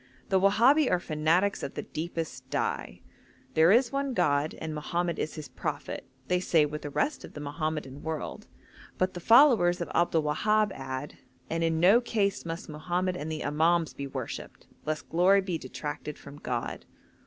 The Wahabi are fanatics of the deepest dye; 'there is one God, and Mohammed is his prophet,' they say with the rest of the Mohammedan world, but the followers of Abdul Wahab add, 'and in no case must Mohammed and the Imams be worshipped lest glory be detracted from God.'